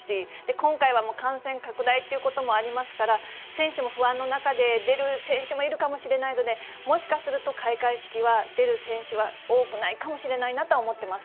今回はもう感染拡大ってこともありますから、選手も不安の中で出る選手もいるかもしれないので、もしかすると、開会式は出る選手は多くないかもしれないなとは思ってます。